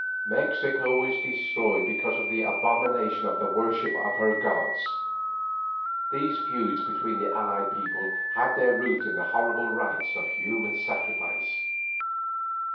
Mexico was destroyed because of the abomination of the worship of her gods. These feuds between the allied peoples had their root in the horrible rites of human sacrifice.